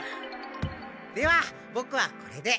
ではボクはこれで。